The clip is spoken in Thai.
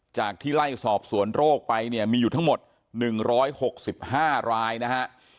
จากที่ไล่สอบสวนโรคไปเนี่ยมีอยู่ทั้งหมด๑๖๕รายนะฮะ